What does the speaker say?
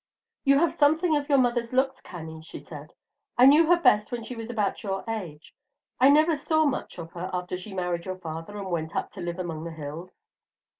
"You have something of your mother's looks, Cannie," she said. "I knew her best when she was about your age. I never saw much of her after she married your father and went up to live among the hills."